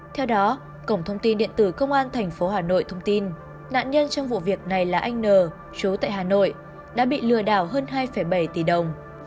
theo đó cổng thông tin điện tử công an tp hà nội thông tin nạn nhân trong vụ việc này là anh n chú tại hà nội đã bị lừa đảo hơn hai bảy tỷ đồng